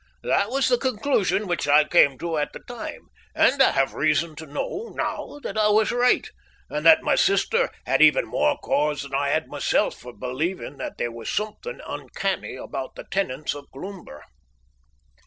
That was the conclusion which I came to at the time, and I have reason to know now that I was right, and that my sister had even more cause than I had myself for believing that there was something uncanny about the tenants of Cloomber.